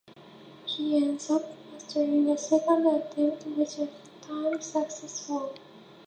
He ends up masterminding a second attempt, which is this time successful.